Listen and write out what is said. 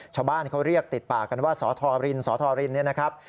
ชาวบ้านเขาเรียกติดปากกันว่าสธรินนะครับ